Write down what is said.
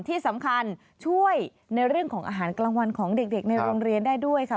ที่สำคัญช่วยในเรื่องของอาหารกลางวันของเด็กในโรงเรียนได้ด้วยค่ะ